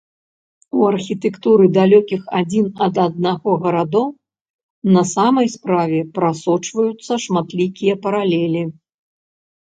У архітэктуры далёкіх адзін ад аднаго гарадоў на самай справе прасочваюцца шматлікія паралелі.